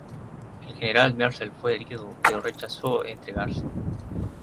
El General Mercer fue herido pero rechazó entregarse.